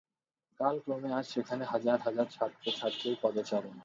কাল ক্রমে আজ সেখানে হাজার হাজার ছাত্র-ছাত্রীর পদচারণা।